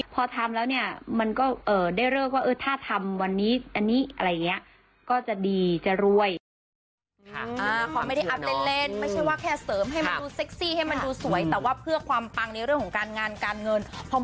พอทำแล้วเนี่ยมันก็ได้เริ่มว่าถ้าทำวันนี้อันนี้อะไรอย่างเงี้ย